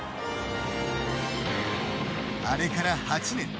あれから８年。